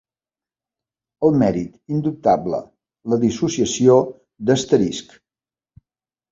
El mèrit indubtable, la dissociació d'asterisc.